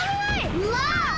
うわっ！